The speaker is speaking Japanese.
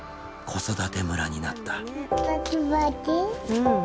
うん。